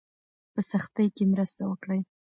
په سختۍ کې مرسته وکړئ.